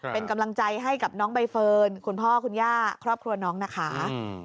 เป็นกำลังใจให้กับน้องใบเฟิร์นคุณพ่อคุณย่าครอบครัวน้องนะคะ